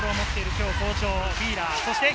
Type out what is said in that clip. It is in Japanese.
今日、好調のフィーラー。